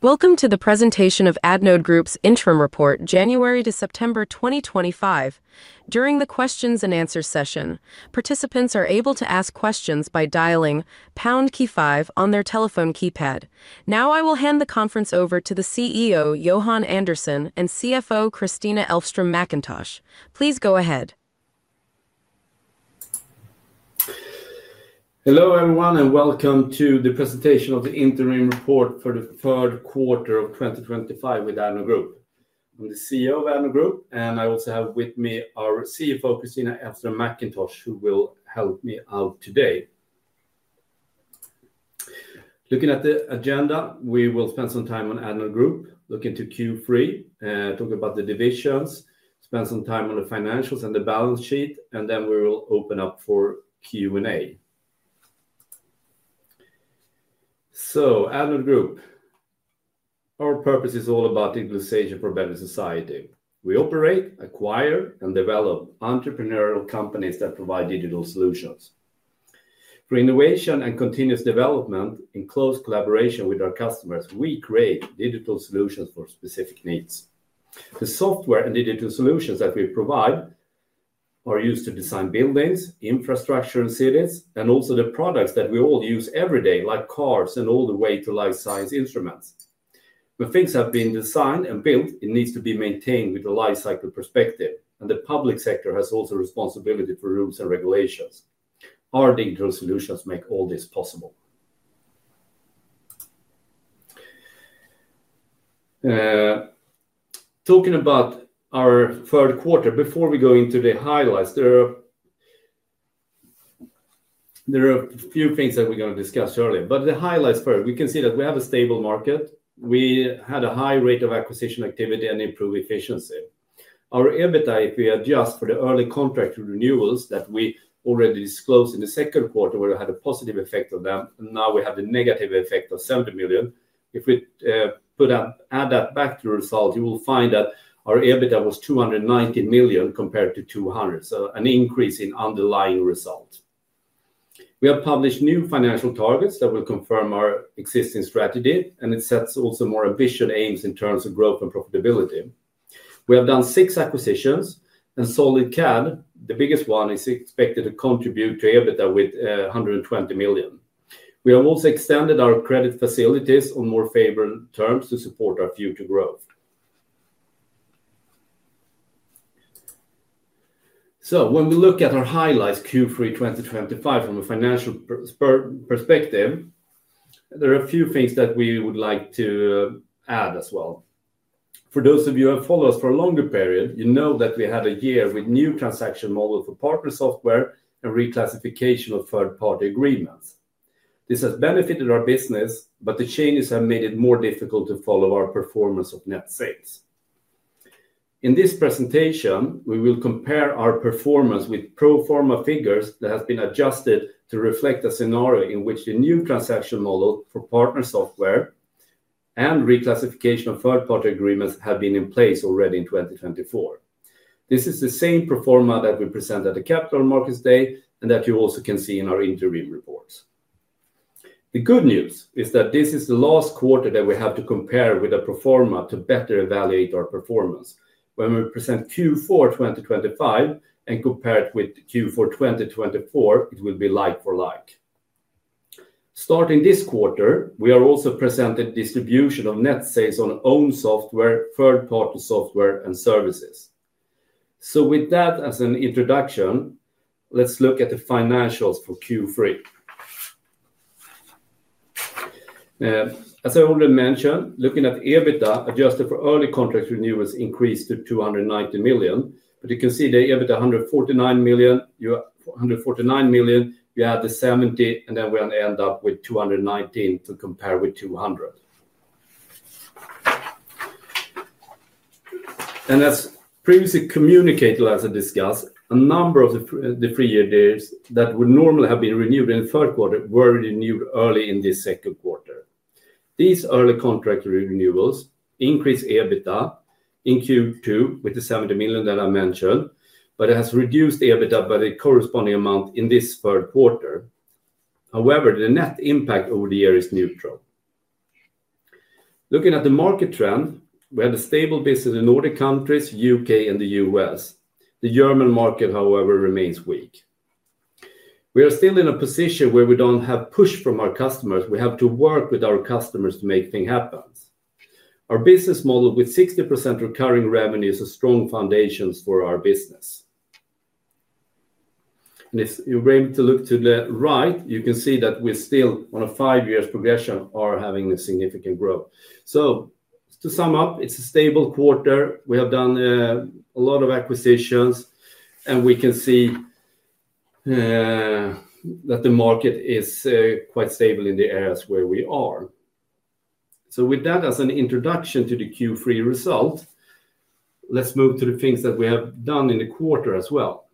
Welcome to the presentation of Addnode Group's interim report, January to September 2025. During the questions-and-answers session, participants are able to ask questions by dialing pound key five on their telephone keypad. Now, I will hand the conference over to the CEO, Johan Andersson, and CFO, Kristina Mackintosh. Please go ahead. Hello everyone, and welcome to the presentation of the interim report for the third quarter of 2025 with Addnode Group. I'm the CEO of Addnode Group, and I also have with me our CFO, Kristina Mackintosh, who will help me out today. Looking at the agenda, we will spend some time on Addnode Group, look into Q3, talk about the divisions, spend some time on the financials and the balance sheet, and then we will open up for Q&A. Addnode Group, our purpose is all about digitalization for better society. We operate, acquire, and develop entrepreneurial companies that provide digital solutions. For innovation and continuous development, in close collaboration with our customers, we create digital solutions for specific needs. The software and digital solutions that we provide are used to design buildings, infrastructure in cities, and also the products that we all use every day, like cars and all the way to life science instruments. When things have been designed and built, it needs to be maintained with a life cycle perspective, and the public sector has also a responsibility for rules and regulations. Our digital solutions make all this possible. Talking about our third quarter, before we go into the highlights, there are a few things that we're going to discuss earlier. The highlights first, we can see that we have a stable market. We had a high rate of acquisition activity and improved efficiency. Our EBITDA, if we adjust for the early contract renewals that we already disclosed in the second quarter, where we had a positive effect on them, and now we have the negative effect of 70 million. If we add that back to the result, you will find that our EBITDA was 290 million compared to 200 million, so an increase in underlying results. We have published new financial targets that will confirm our existing strategy, and it sets also more ambitious aims in terms of growth and profitability. We have done six acquisitions, and SolidCAD, the biggest one, is expected to contribute to EBITDA with 120 million. We have also extended our credit facilities on more favorable terms to support our future growth. When we look at our highlights, Q3 2025, from a financial perspective, there are a few things that we would like to add as well. For those of you who have followed us for a longer period, you know that we had a year with a new transaction model for partner software and reclassification of third-party agreements. This has benefited our business, but the changes have made it more difficult to follow our performance of net sales. In this presentation, we will compare our performance with pro forma figures that have been adjusted to reflect a scenario in which the new transaction model for partner software and reclassification of third-party agreements have been in place already in 2024. This is the same pro forma that we presented at the Capital Markets Day and that you also can see in our interim reports. The good news is that this is the last quarter that we have to compare with a pro forma to better evaluate our performance. When we present Q4 2025 and compare it with Q4 2024, it will be like for like. Starting this quarter, we are also presenting the distribution of net sales on owned software, third-party software, and services. With that as an introduction, let's look at the financials for Q3. As I already mentioned, looking at EBITDA, adjusted for early contract renewals, increased to 290 million, but you can see the EBITDA 149 million. You had the 70 million, and then we end up with 219 million to compare with 200 million. As previously communicated, as I discussed, a number of the three-year deals that would normally have been renewed in the third quarter were renewed early in this second quarter. These early contract renewals increased EBITDA in Q2 with the 70 million that I mentioned, but it has reduced EBITDA by the corresponding amount in this third quarter. However, the net impact over the year is neutral. Looking at the market trend, we had a stable business in the Nordics, U.K., and the U.S.. The German market, however, remains weak. We are still in a position where we don't have push from our customers; we have to work with our customers to make things happen. Our business model with 60% recurring revenue is a strong foundation for our business. If you were able to look to the right, you can see that we're still on a five-year progression or having a significant growth. To sum up, it's a stable quarter. We have done a lot of acquisitions, and we can see that the market is quite stable in the areas where we are. With that as an introduction to the Q3 result, let's move to the things that we have done in the quarter as well.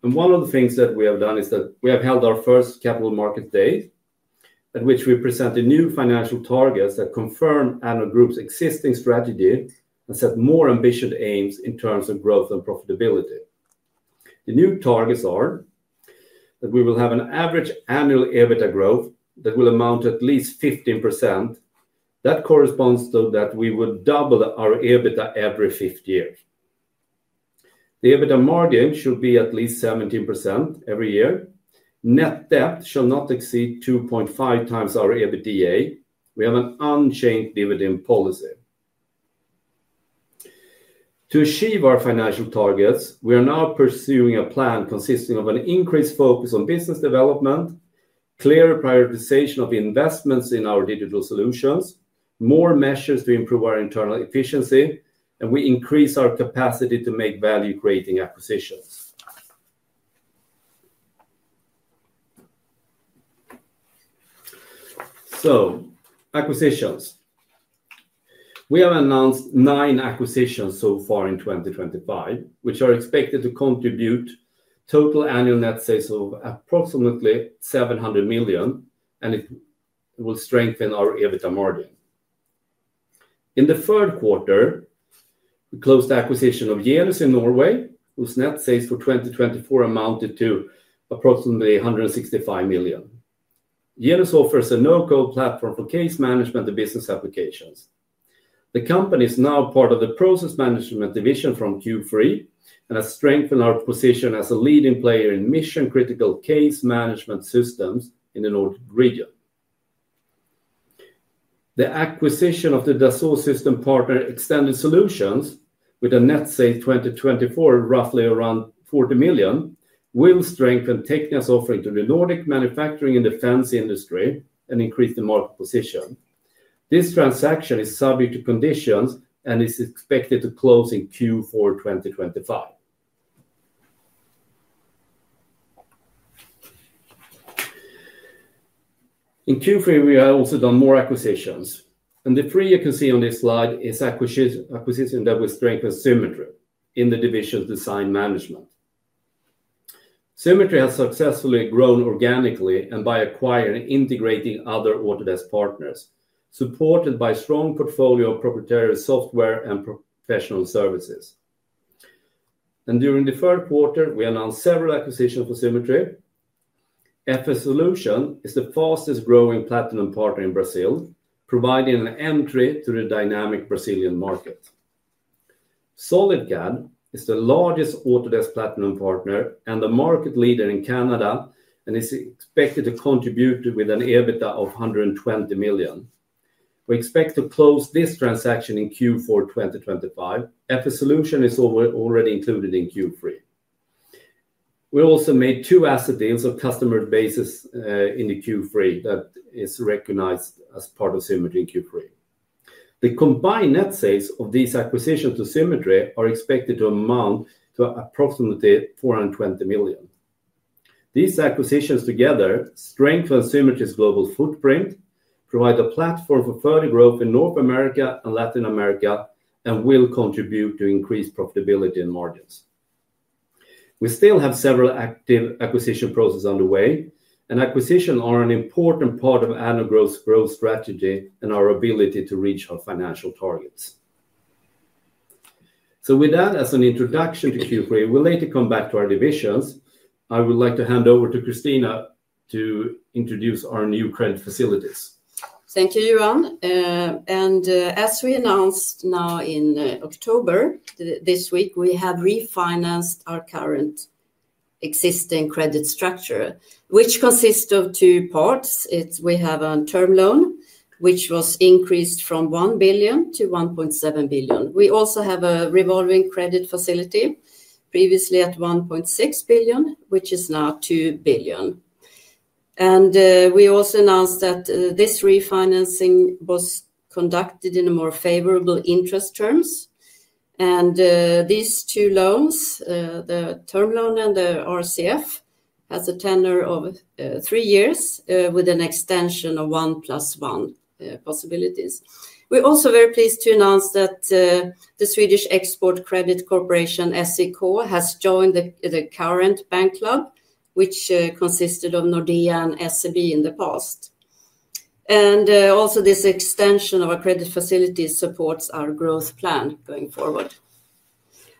One of the things that we have done is that we have held our first Capital Markets Day, at which we presented new financial targets that confirm Addnode Group's existing strategy and set more ambitious aims in terms of growth and profitability. The new targets are that we will have an average annual EBITDA growth that will amount to at least 15%. That corresponds to that we would double our EBITDA every fifth year. The EBITDA margin should be at least 17% every year. Net debt shall not exceed 2.5 times our EBITDA. We have an unchanged dividend policy. To achieve our financial targets, we are now pursuing a plan consisting of an increased focus on business development, clearer prioritization of investments in our digital solutions, more measures to improve our internal efficiency, and we increase our capacity to make value-creating acquisitions. Acquisitions. We have announced nine acquisitions so far in 2025, which are expected to contribute total annual net sales of approximately 700 million, and it will strengthen our EBITDA margin. In the third quarter, we closed the acquisition of Jelos in Norway, whose net sales for 2024 amounted to approximately 165 million. Jelos offers a no-code platform for case management and business applications. The company is now part of the Process Management division from Q3 and has strengthened our position as a leading player in mission-critical case management systems in the Nordic region. The acquisition of the Dassault Systèmes Partners Extended Solutions with a net sales for 2024, roughly around 40 million, will strengthen Tecnas' offering to the Nordic manufacturing and defense industry and increase the market position. This transaction is subject to conditions and is expected to close in Q4 2025. In Q3, we have also done more acquisitions, and the three you can see on this slide are acquisitions that will strengthen Symetri in the division's Design Management. Symetri has successfully grown organically and by acquiring and integrating other Autodesk partners, supported by a strong portfolio of proprietary software and professional services. During the third quarter, we announced several acquisitions for Symetri. FS Solutions is the fastest growing platinum partner in Brazil, providing an entry to the dynamic Brazilian market. SolidCAD is the largest Autodesk platinum partner and the market leader in Canada and is expected to contribute with an EBITDA of 120 million. We expect to close this transaction in Q4 2025. FS Solutions is already included in Q3. We also made two asset deals of customer bases in Q3 that are recognized as part of Symetri in Q3. The combined net sales of these acquisitions to Symetri are expected to amount to approximately 420 million. These acquisitions together strengthen Symetri's global footprint, provide a platform for further growth in North America and Latin America, and will contribute to increased profitability and margins. We still have several active acquisition processes underway, and acquisitions are an important part of Addnode Group's growth strategy and our ability to reach our financial targets. With that as an introduction to Q3, we'll later come back to our divisions. I would like to hand over to Kristina to introduce our new credit facilities. Thank you, Johan. As we announced now in October this week, we have refinanced our current existing credit structure, which consists of two parts. We have a term loan, which was increased from 1 billion to 1.7 billion. We also have a revolving credit facility, previously at 1.6 billion, which is now 2 billion. We also announced that this refinancing was conducted on more favorable interest terms. These two loans, the term loan and the RCF, have a tenure of three years with an extension of 1 + 1 possibilities. We are also very pleased to announce that the Swedish Export Credit Corporation, SEK, has joined the current bank club, which consisted of Nordea and SEB in the past. This extension of our credit facility supports our growth plan going forward.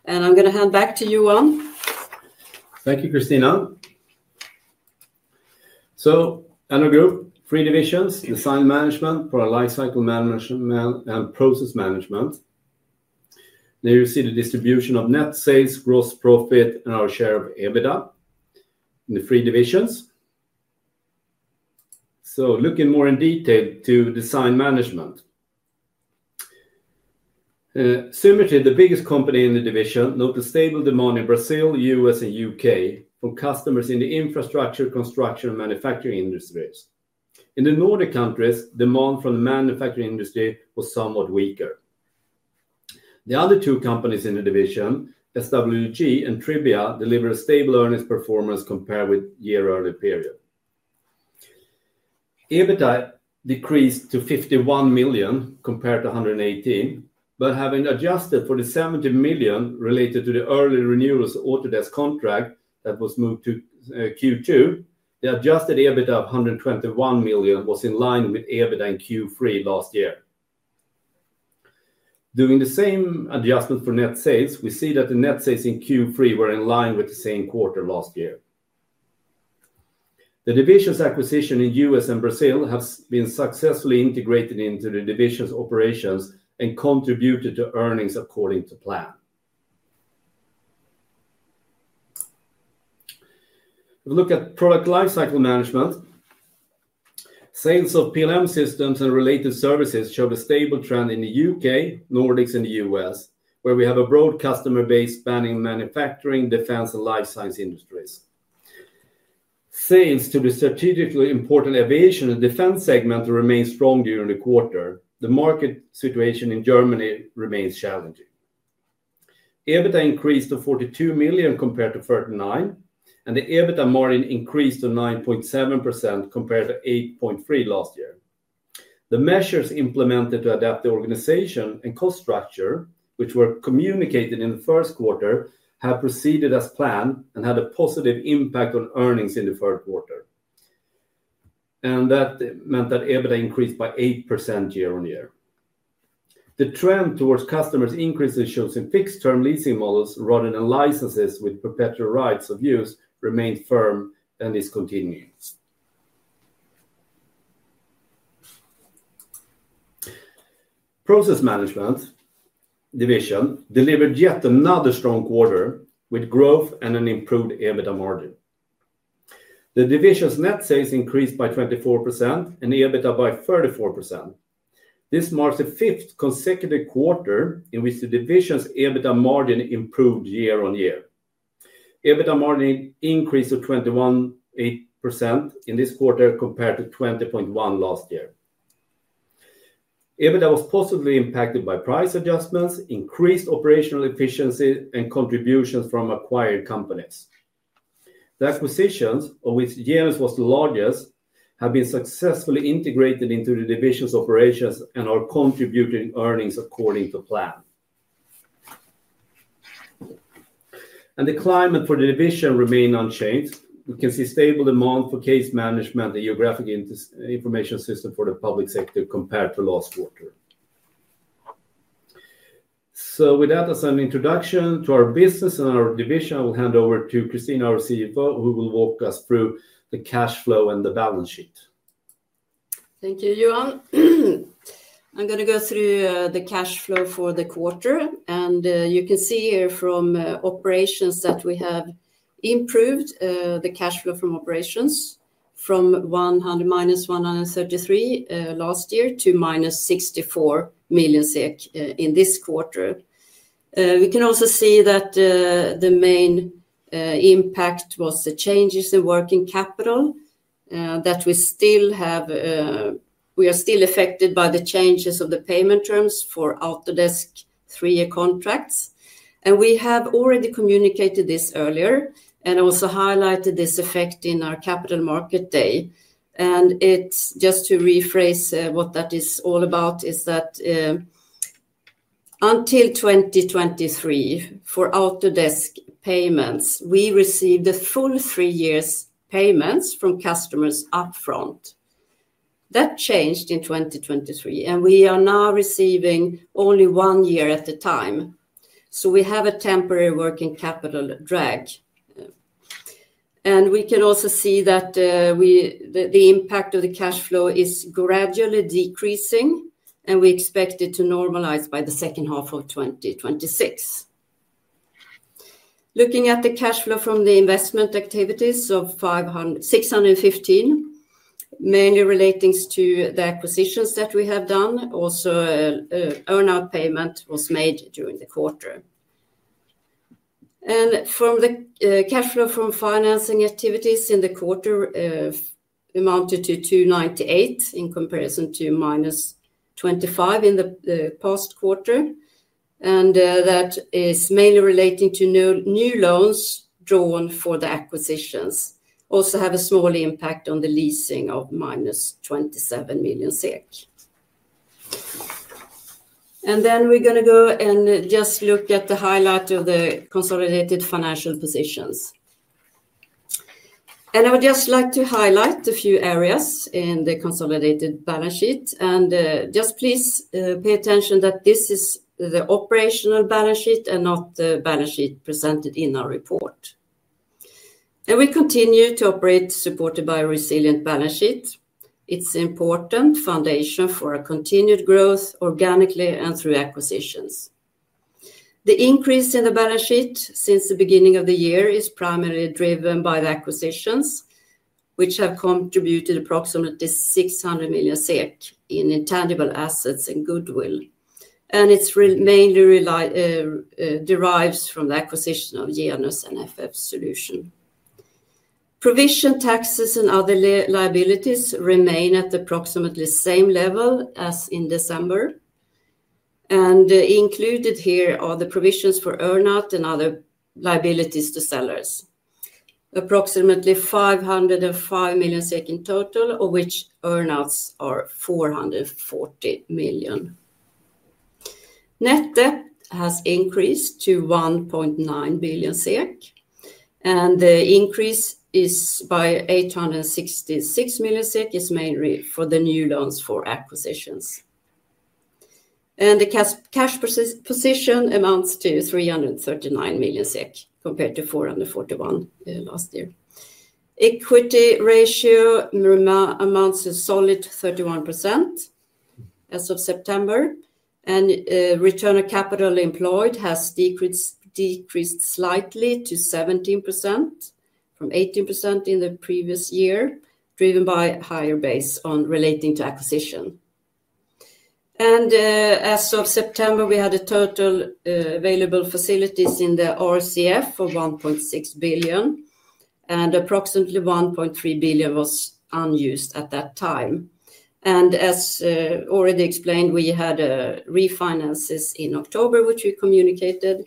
I'm going to hand back to Johan. Thank you, Kristina. Addnode Group, three divisions: Design Management, Product Lifecycle Management, and Process Management. There you see the distribution of net sales, gross profit, and our share of EBITDA in the three divisions. Looking more in detail to Design Management, Symetri, the biggest company in the division, notes a stable demand in Brazil, U.S., and U.K. for customers in the infrastructure, construction, and manufacturing industries. In the Nordic countries, demand from the manufacturing industry was somewhat weaker. The other two companies in the division, SWG and Tribia, delivered a stable earnings performance compared with the year earlier period. EBITDA decreased to 51 million compared to 118 million, but having adjusted for the 70 million related to the early renewals Autodesk contract that was moved to Q2, the adjusted EBITDA of 121 million was in line with EBITDA in Q3 last year. Doing the same adjustment for net sales, we see that the net sales in Q3 were in line with the same quarter last year. The division's acquisition in the U.S. and Brazil has been successfully integrated into the division's operations and contributed to earnings according to plan. If we look at Product Lifecycle Management, sales of PLM systems and related services show a stable trend in the U.K., Nordics, and the U.S., where we have a broad customer base spanning manufacturing, defense, and life science industries. Sales to the strategically important aviation and defense segment remain strong during the quarter. The market situation in Germany remains challenging. EBITDA increased to 42 million compared to 39 million, and the EBITDA margin increased to 9.7% compared to 8.3% last year. The measures implemented to adapt the organization and cost structure, which were communicated in the first quarter, have proceeded as planned and had a positive impact on earnings in the third quarter. That meant that EBITDA increased by 8% year on year. The trend towards customers' increasing choice in fixed-term leasing models rather than licenses with perpetual rights of use remains firm and is continuing. Process Management division delivered yet another strong quarter with growth and an improved EBITDA margin. The division's net sales increased by 24% and EBITDA by 34%. This marks the fifth consecutive quarter in which the division's EBITDA margin improved year on year. EBITDA margin increased to 21.8% in this quarter compared to 20.1% last year. EBITDA was positively impacted by price adjustments, increased operational efficiency, and contributions from acquired companies. The acquisitions, of which Jelos was the largest, have been successfully integrated into the division's operations and are contributing earnings according to plan. The climate for the division remained unchanged. We can see stable demand for case management and geographic information systems for the public sector compared to last quarter. With that as an introduction to our business and our division, I will hand over to Kristina Mackintosh, who will walk us through the cash flow and the balance sheet. Thank you, Johan. I'm going to go through the cash flow for the quarter, and you can see here from operations that we have improved the cash flow from operations from -133 million last year to -64 million SEK in this quarter. We can also see that the main impact was the changes in working capital that we still have. We are still affected by the changes of the payment terms for Autodesk three-year contracts. We have already communicated this earlier and also highlighted this effect in our Capital Markets Day. Just to rephrase what that is all about, until 2023, for Autodesk payments, we received the full three-year payments from customers upfront. That changed in 2023, and we are now receiving only one year at a time. We have a temporary working capital drag. We can also see that the impact of the cash flow is gradually decreasing, and we expect it to normalize by the second half of 2026. Looking at the cash flow from the investment activities of 615 million, mainly relating to the acquisitions that we have done, also earnout payment was made during the quarter. The cash flow from financing activities in the quarter amounted to 298 million in comparison to -25 million in the past quarter. That is mainly relating to new loans drawn for the acquisitions. There is also a small impact on the leasing of -27 million SEK. Now we're going to go and just look at the highlight of the consolidated financial positions. I would just like to highlight a few areas in the consolidated balance sheet. Please pay attention that this is the operational balance sheet and not the balance sheet presented in our report. We continue to operate supported by a resilient balance sheet. It's an important foundation for our continued growth organically and through acquisitions. The increase in the balance sheet since the beginning of the year is primarily driven by the acquisitions, which have contributed approximately 600 million SEK in intangible assets and goodwill. It mainly derives from the acquisition of Jelos and FS Solutions. Provision taxes and other liabilities remain at approximately the same level as in December. Included here are the provisions for earnout and other liabilities to sellers, approximately SEK 505 million in total, of which earnouts are 440 million. Net debt has increased to 1.9 billion SEK, and the increase by 866 million SEK is mainly for the new loans for acquisitions. The cash position amounts to 339 million SEK compared to 441 million last year. Equity ratio amounts to a solid 31% as of September, and return on capital employed has decreased slightly to 17% from 18% in the previous year, driven by a higher base relating to acquisition. As of September, we had total available facilities in the RCF of 1.6 billion, and approximately 1.3 billion was unused at that time. As already explained, we had refinances in October, which we communicated,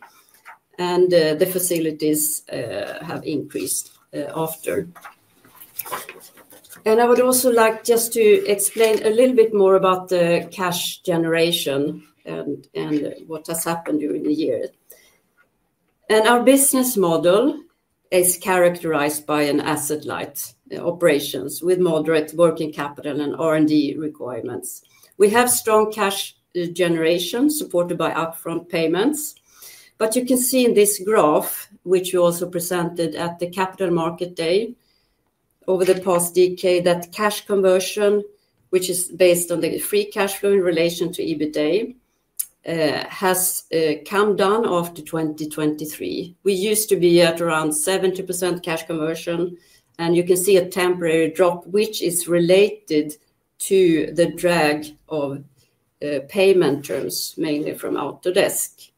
and the facilities have increased after. I would also like to explain a little bit more about the cash generation and what has happened during the year. Our business model is characterized by asset-light operations with moderate working capital and R&D requirements. We have strong cash generation supported by upfront payments. You can see in this graph, which we also presented at the Capital Markets Day over the past decade, that cash conversion, which is based on the free cash flow in relation to EBITDA, has come down after 2023. We used to be at around 70% cash conversion, and you can see a temporary drop, which is related to the drag of payment terms, mainly from Autodesk,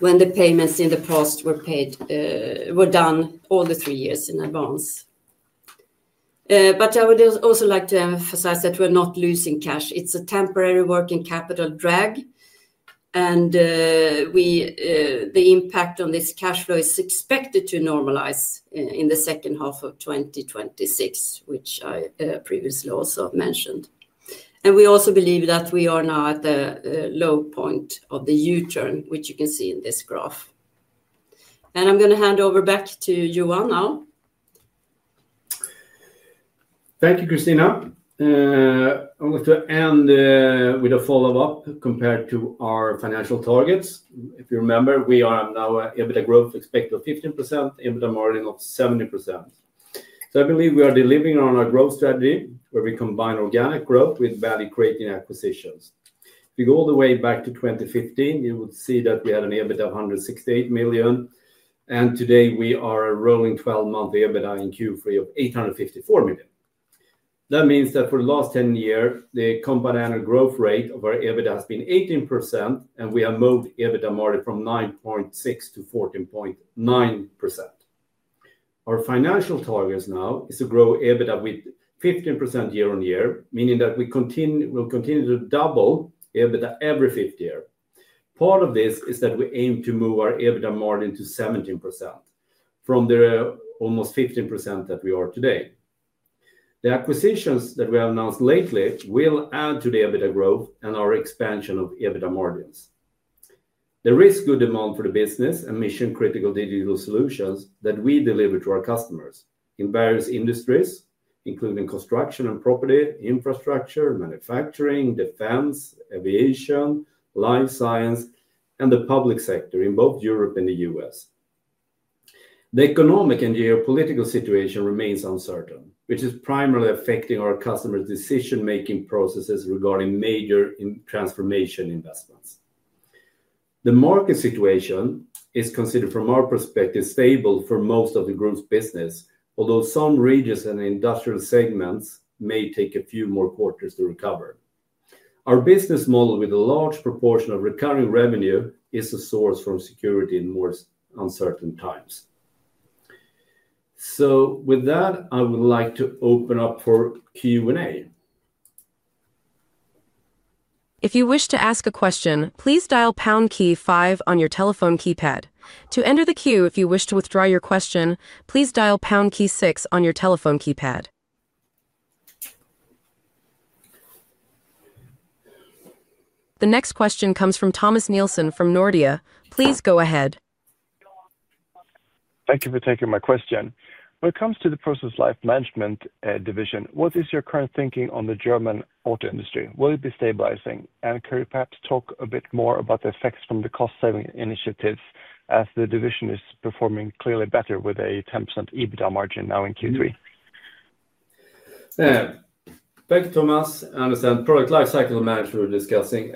when the payments in the past were done all the three years in advance. I would also like to emphasize that we're not losing cash. It's a temporary working capital drag, and the impact on this cash flow is expected to normalize in the second half of 2026, which I previously also mentioned. We also believe that we are now at the low point of the U-turn, which you can see in this graph. I'm going to hand over back to Johan now. Thank you, Kristina. I want to end with a follow-up compared to our financial targets. If you remember, we are now EBITDA growth expected of 15%, EBITDA margin of 17%. I believe we are delivering on our growth strategy, where we combine organic growth with value-creating acquisitions. If we go all the way back to 2015, you would see that we had an EBITDA of 168 million, and today we are rolling 12-month EBITDA in Q3 of 854 million. That means that for the last 10 years, the company annual growth rate of our EBITDA has been 18%, and we have moved EBITDA margin from 9.6% to 14.9%. Our financial target now is to grow EBITDA with 15% year on year, meaning that we will continue to double EBITDA every fifth year. Part of this is that we aim to move our EBITDA margin to 17% from the almost 15% that we are today. The acquisitions that we have announced lately will add to the EBITDA growth and our expansion of EBITDA margins. There is good demand for the business and mission-critical digital solutions that we deliver to our customers in various industries, including construction and property, infrastructure, manufacturing, defense, aviation, life science, and the public sector in both Europe and the U.S. The economic and geopolitical situation remains uncertain, which is primarily affecting our customers' decision-making processes regarding major transformation investments. The market situation is considered, from our perspective, stable for most of the group's business, although some regions and industrial segments may take a few more quarters to recover. Our business model, with a large proportion of recurring revenue, is a source for security in more uncertain times. With that, I would like to open up for Q&A. If you wish to ask a question, please dial pound key five on your telephone keypad to enter the queue. If you wish to withdraw your question, please dial pound key 6 on your telephone keypad. The next question comes from Thomas Nielsen from Nordea. Please go ahead. Thank you for taking my question. When it comes to the Product Lifecycle Management division, what is your current thinking on the German auto industry? Will it be stabilizing? Could you perhaps talk a bit more about the effects from the cost-saving initiatives as the division is performing clearly better with a 10% EBITDA margin now in Q3? Thank you, Thomas. As I understand, Product Lifecycle Management we're discussing.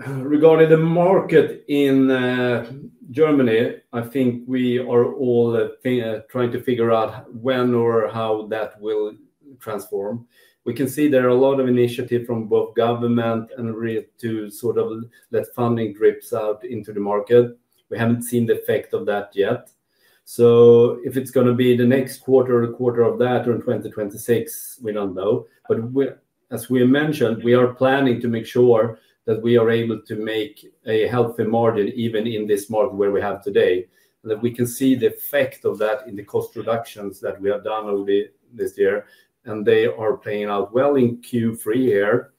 Regarding the market in Germany, I think we are all trying to figure out when or how that will transform. We can see there are a lot of initiatives from both government and REITs to sort of let funding drip out into the market. We haven't seen the effect of that yet. If it's going to be the next quarter, the quarter after that, or in 2026, we don't know. As we mentioned, we are planning to make sure that we are able to make a healthy margin even in this market where we are today. We can see the effect of that in the cost reductions that we have done over this year, and they are playing out well in Q3 here.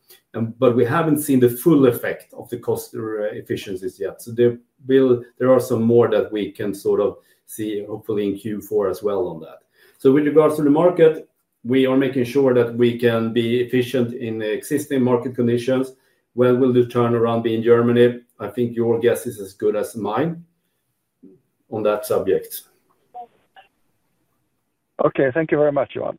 We haven't seen the full effect of the cost efficiencies yet. There are some more that we can sort of see hopefully in Q4 as well. With regards to the market, we are making sure that we can be efficient in existing market conditions. When will the turnaround be in Germany? I think your guess is as good as mine on that subject. Okay, thank you very much, Johan.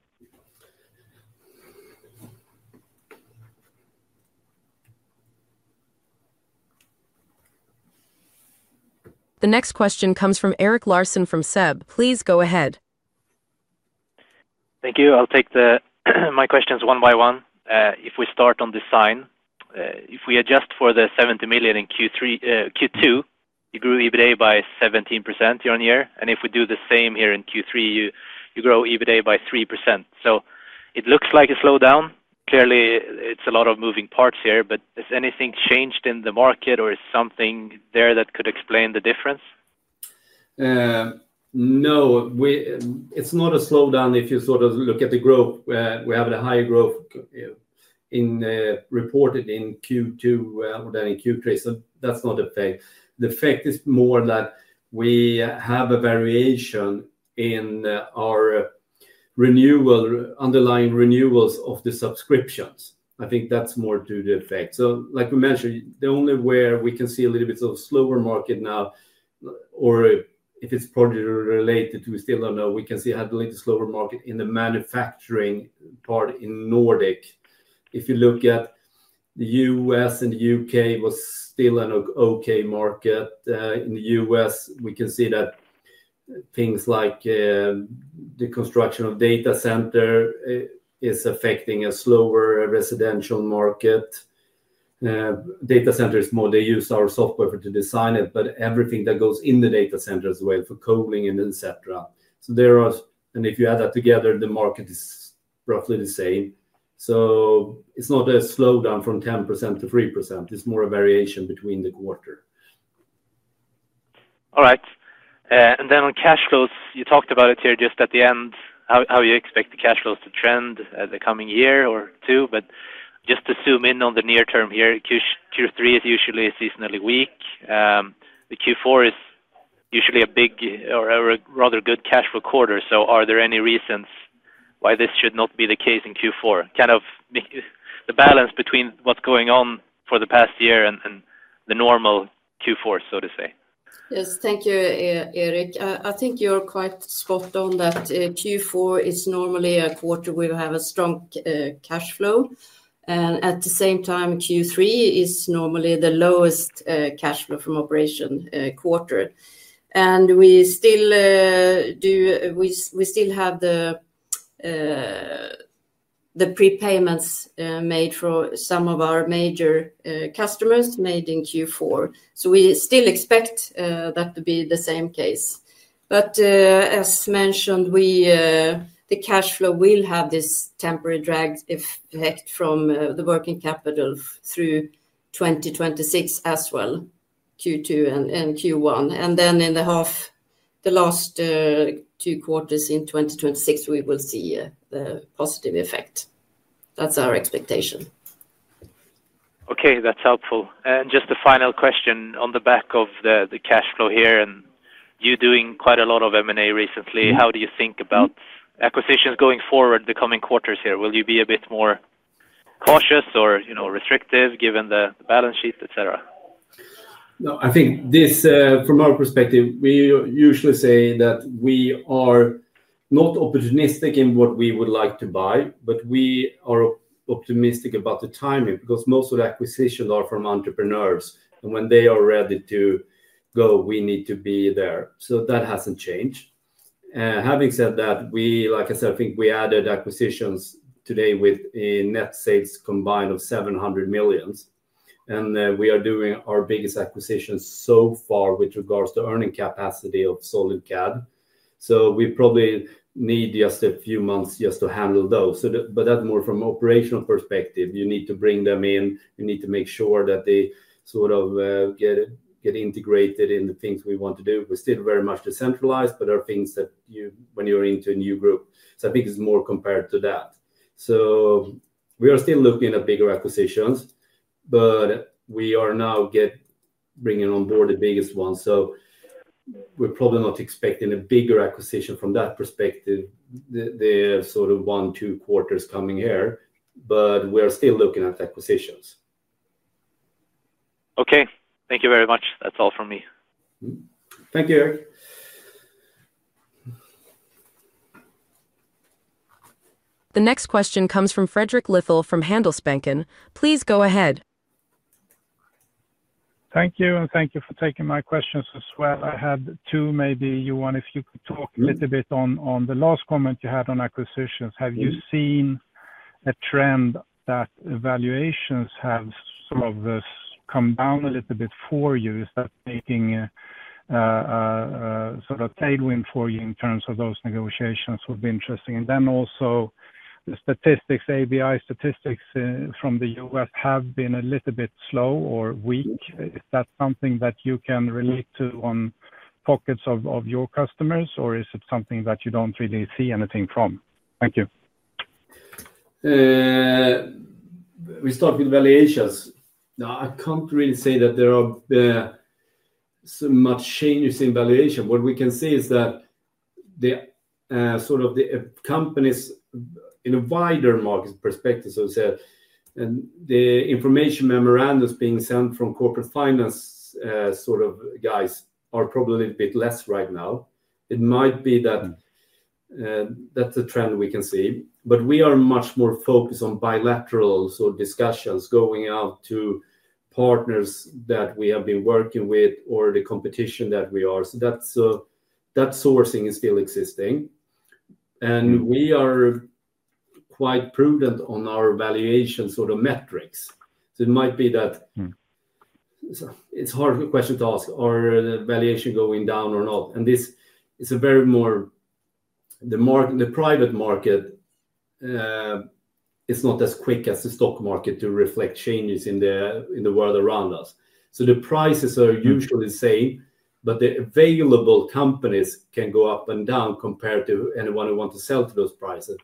The next question comes from Erik Larsson from SEB. Please go ahead. Thank you. I'll take my questions one by one. If we start on Design Management, if we adjust for the 70 million in Q2, you grew EBITDA by 17% year on year. If we do the same here in Q3, you grow EBITDA by 3%. It looks like a slowdown. Clearly, it's a lot of moving parts here, but has anything changed in the market or is something there that could explain the difference? No, it's not a slowdown if you sort of look at the growth. We have the higher growth reported in Q2 than in Q3. That's not the effect. The effect is more that we have a variation in our underlying renewals of the subscriptions. I think that's more due to the effect. Like we mentioned, the only way we can see a little bit of a slower market now, or if it's probably related to, we still don't know. We can see how the little slower market in the manufacturing part in the Nordics. If you look at the U.S. and the U.K., it was still an okay market. In the U.S., we can see that things like the construction of data centers are affecting a slower residential market. Data centers are small. They use our software to design it, but everything that goes in the data center as well for coding and etc. If you add that together, the market is roughly the same. It's not a slowdown from 10% to 3%. It's more a variation between the quarters. All right. On cash flows, you talked about it here just at the end, how you expect the cash flows to trend the coming year or two. Just to zoom in on the near term here, Q3 is usually seasonally weak. Q4 is usually a big or a rather good cash flow quarter. Are there any reasons why this should not be the case in Q4? Kind of the balance between what's going on for the past year and the normal Q4, so to say. Yes, thank you, Erik. I think you're quite spot on that Q4 is normally a quarter where you have a strong cash flow. At the same time, Q3 is normally the lowest cash flow from operation quarter. We still have the pre-payments made for some of our major customers made in Q4. We still expect that to be the same case. As mentioned, the cash flow will have this temporary drag effect from the working capital through 2026 as well, Q2 and Q1. In the last two quarters in 2026, we will see the positive effect. That's our expectation. Okay, that's helpful. Just a final question on the back of the cash flow here, and you're doing quite a lot of M&A recently. How do you think about acquisitions going forward the coming quarters here? Will you be a bit more cautious or restrictive given the balance sheet, etc.? No, I think this, from our perspective, we usually say that we are not opportunistic in what we would like to buy, but we are optimistic about the timing because most of the acquisitions are from entrepreneurs. When they are ready to go, we need to be there. That hasn't changed. Having said that, like I said, I think we added acquisitions today with a net sales combined of 700 million. We are doing our biggest acquisitions so far with regards to earning capacity of SolidCAD. We probably need just a few months to handle those. That's more from an operational perspective. You need to bring them in. You need to make sure that they get integrated in the things we want to do. We're still very much decentralized, but there are things that, when you're into a new group, I think it's more compared to that. We are still looking at bigger acquisitions, but we are now bringing on board the biggest ones. We're probably not expecting a bigger acquisition from that perspective in the next one or two quarters, but we are still looking at acquisitions. Okay, thank you very much. That's all from me. Thank you, Erik. The next question comes from Fredrik Lithell from Handelsbanken. Please go ahead. Thank you, and thank you for taking my questions as well. I had two, maybe. Johan, if you could talk a little bit on the last comment you had on acquisitions. Have you seen a trend that valuations have sort of come down a little bit for you? Is that making a sort of tailwind for you in terms of those negotiations? It would be interesting. Also, the statistics, ABI statistics from the U.S. have been a little bit slow or weak. Is that something that you can relate to on pockets of your customers, or is it something that you don't really see anything from? Thank you. We start with valuations. Now, I can't really say that there are so much changes in valuation. What we can say is that the sort of companies in a wider market perspective, so to say, and the information memorandums being sent from corporate finance sort of guys are probably a bit less right now. It might be that that's a trend we can see. We are much more focused on bilateral discussions going out to partners that we have been working with or the competition that we are. That sourcing is still existing. We are quite prudent on our valuation sort of metrics. It might be that it's a hard question to ask, are the valuations going down or not? This is a very more, the private market is not as quick as the stock market to reflect changes in the world around us. The prices are usually the same, but the available companies can go up and down compared to anyone who wants to sell to those prices.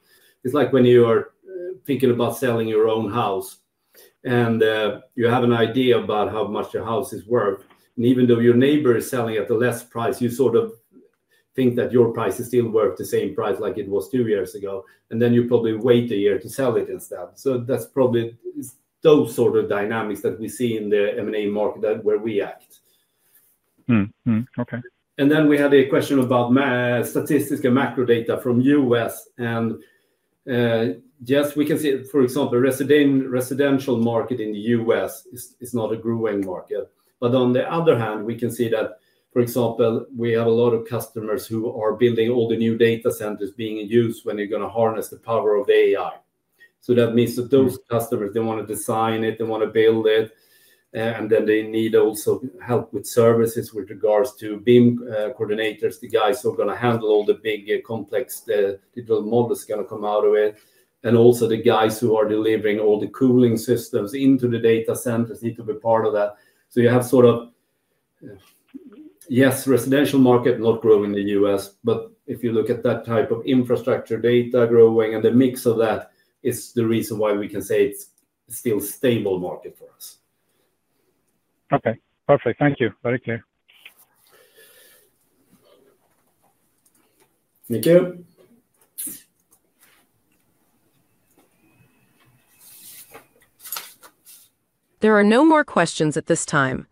It's like when you are thinking about selling your own house and you have an idea about how much your house is worth. Even though your neighbor is selling at a lesser price, you sort of think that your price is still worth the same price like it was two years ago. You probably wait a year to sell it instead. That's probably those sort of dynamics that we see in the M&A market where we act. Okay. We had a question about statistics and macro data from the U.S. Yes, we can see, for example, the residential market in the U.S. is not a growing market. On the other hand, we can see that, for example, we have a lot of customers who are building all the new data centers being in use when they're going to harness the power of AI. That means that those customers want to design it, they want to build it, and then they need also help with services with regards to BIM coordinators, the guys who are going to handle all the big complex digital models that are going to come out of it. Also, the guys who are delivering all the cooling systems into the data centers need to be part of that. You have sort of, yes, the residential market is not growing in the U.S. If you look at that type of infrastructure data growing and the mix of that, it's the reason why we can say it's still a stable market for us. Okay, perfect. Thank you. Very clear. Thank you. There are no more questions at this time.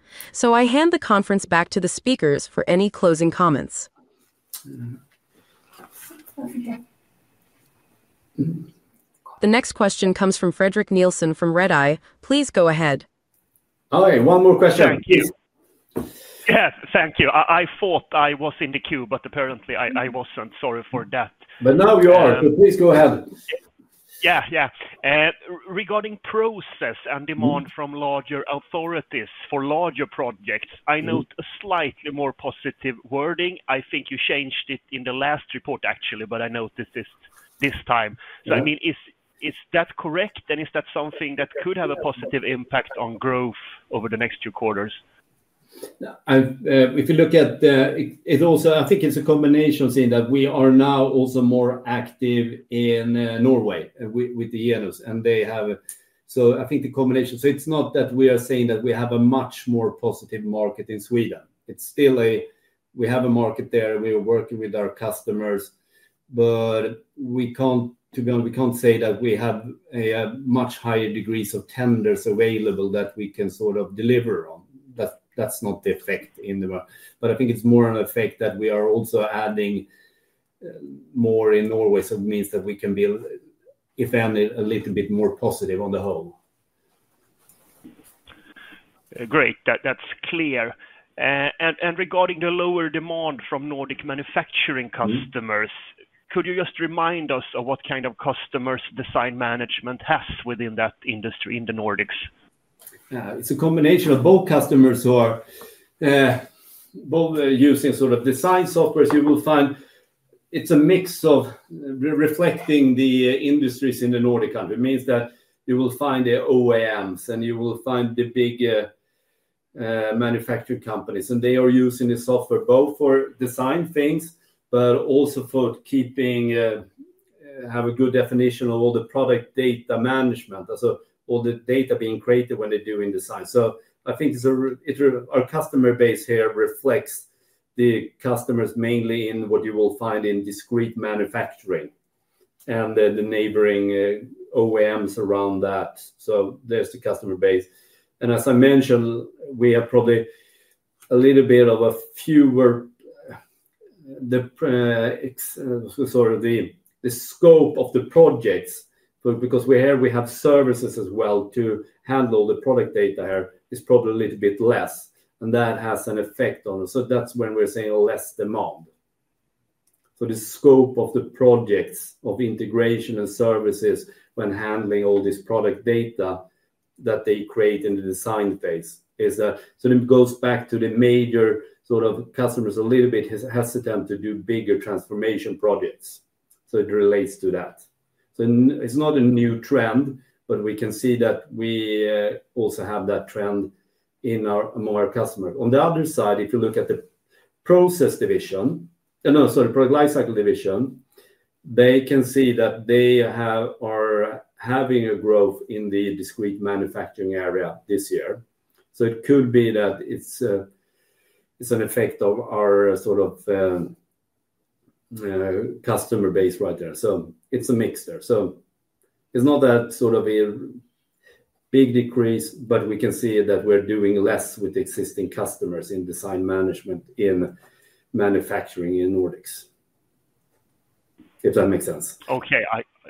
I hand the conference back to the speakers for any closing comments. The next question comes from Fredrik Nielsen from Redeye. Please go ahead. Hi, one more question. Yes, thank you. I thought I was in the queue, but apparently I wasn't. Sorry for that. You are. Please go ahead. Yeah. Regarding Process Management and demand from larger authorities for larger projects, I note a slightly more positive wording. I think you changed it in the last report, actually, but I noticed this time. Is that correct? Is that something that could have a positive impact on growth over the next two quarters? If you look at it, it's also, I think it's a combination saying that we are now also more active in Norway with Jelos. I think the combination, it's not that we are saying that we have a much more positive market in Sweden. It's still a, we have a market there. We are working with our customers, but we can't, to be honest, we can't say that we have a much higher degree of tenders available that we can sort of deliver on. That's not the effect in the world. I think it's more an effect that we are also adding more in Norway. It means that we can be, if any, a little bit more positive on the whole. Great, that's clear. Regarding the lower demand from Nordic manufacturing customers, could you just remind us of what kind of customers Design Management has within that industry in the Nordics? It's a combination of both customers who are both using sort of design software. You will find it's a mix of reflecting the industries in the Nordic country. It means that you will find the OEMs and you will find the big manufacturing companies. They are using the software both for design things, but also for keeping a good definition of all the product data management, so all the data being created when they're doing design. I think our customer base here reflects the customers mainly in what you will find in discrete manufacturing and the neighboring OEMs around that. There's the customer base. As I mentioned, we have probably a little bit of a fewer sort of the scope of the projects. Because we're here, we have services as well to handle the product data here, it's probably a little bit less, and that has an effect on us. That's when we're saying less demand. The scope of the projects of integration and services when handling all this product data that they create in the design phase is that, it goes back to the major sort of customers a little bit hesitant to do bigger transformation projects. It relates to that. It's not a new trend, but we can see that we also have that trend in our customers. On the other side, if you look at the Process Management division, and also the Product Lifecycle Management division, they can see that they are having a growth in the discrete manufacturing area this year. It could be that it's an effect of our sort of customer base right there. It's a mix there. It's not that sort of a big decrease, but we can see that we're doing less with existing customers in Design Management in manufacturing in Nordics, if that makes sense. Okay,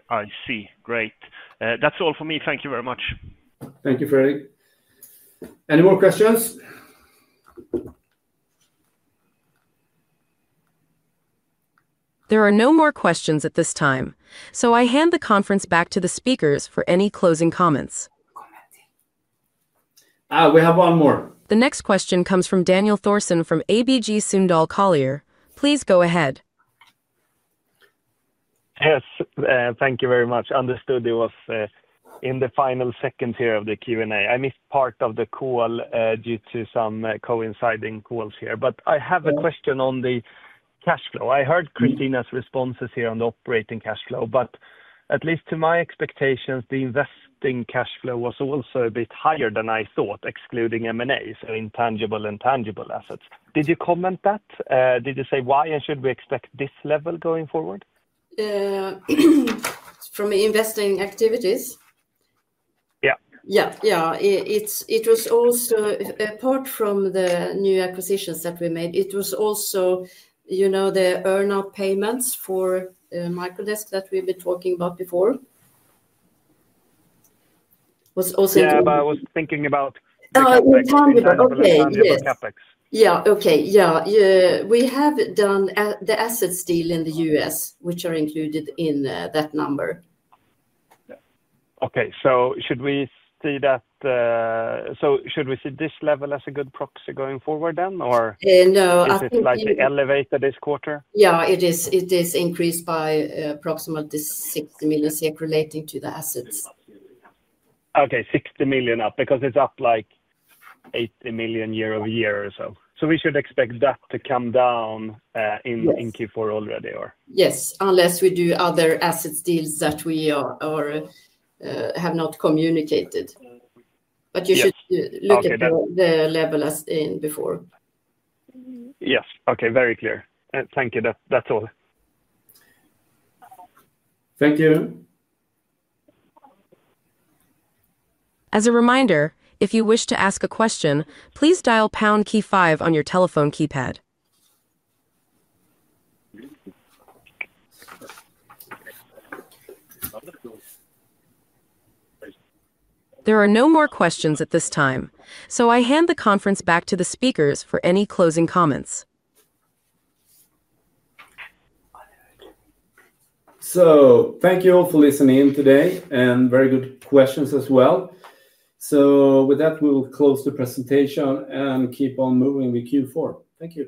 I see. Great. That's all for me. Thank you very much. Thank you, Fredrik. Any more questions? There are no more questions at this time. I hand the conference back to the speakers for any closing comments. We have one more. The next question comes from Daniel Thorsson from ABG Sundal Collier. Please go ahead. Yes, thank you very much. Understood it was in the final seconds here of the Q&A. I missed part of the call due to some coinciding calls here. I have a question on the cash flow. I heard Kristina Mackintosh's responses here on the operating cash flow. At least to my expectations, the investing cash flow was also a bit higher than I thought, excluding M&A, so intangible and tangible assets. Did you comment that? Did you say why and should we expect this level going forward? From investing activities? Yeah. Yeah, it was also, apart from the new acquisitions that we made, it was also the earnout payments for MicroDesk that we've been talking about before. Earnout I was thinking about. Oh, intangible. Okay, yes. Capex. Yeah, okay. We have done the asset deal in the U.S., which are included in that number. Should we see this level as a good proxy going forward, or is it slightly elevated this quarter? It is increased by approximately 60 million relating to the assets. Okay, 60 million up because it's up like 80 million year-over-year or so. We should expect that to come down in Q4 already, or? Yes, unless we do other asset deals that we have not communicated, you should look at the level as in before. Yes, okay, very clear. Thank you, that's all. Thank you. As a reminder, if you wish to ask a question, please dial pound key five on your telephone keypad. There are no more questions at this time. I hand the conference back to the speakers for any closing comments. Thank you all for listening in today and very good questions as well. With that, we will close the presentation and keep on moving with Q4. Thank you.